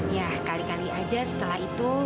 ya kali kali aja setelah itu